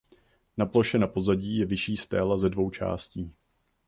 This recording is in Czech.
Na ploše na pozadí je vyšší stéla ze dvou částí.